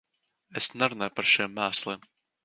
Es nerunāju par šiem mēsliem.